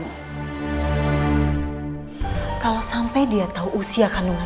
iya benar dua orang dua diserahkan suatu hari